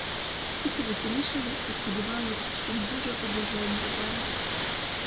Всі повеселішали, бо сподівались, що недужа одужає незабаром.